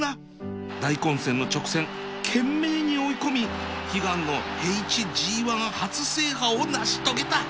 大混戦の直線懸命に追い込み悲願の平地 ＧⅠ 初制覇を成し遂げた